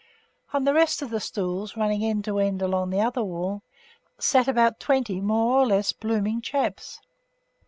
On the rest of the stools, running end to end along the other wall, sat about twenty more or less blooming chaps.